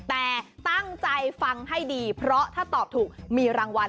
แต่ตั้งใจฟังให้ดีเพราะถ้าตอบถูกมีรางวัล